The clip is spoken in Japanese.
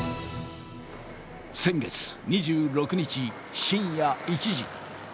先月２６日深夜１時。